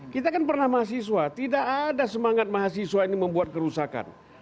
kita kan pernah mahasiswa tidak ada semangat mahasiswa ini membuat kerusakan